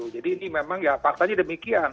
jadi ini memang ya faktanya demikian